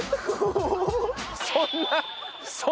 そんな。